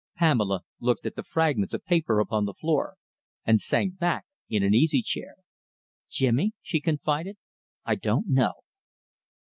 Pamela looked at the fragments of paper upon the floor and sank back in an easy chair. "Jimmy," she confided, "I don't know."